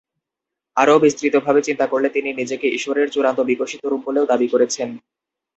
আরও বিস্তৃত ভাবে চিন্তা করলে তিনি নিজেকে ঈশ্বরের চূড়ান্ত বিকশিত রূপ বলেও দাবী করেছেন।